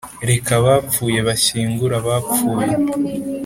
reka abapfuye bashyingure abapfuye